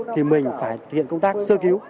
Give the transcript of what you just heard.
thì mình phải thực hiện công tác sơ cứu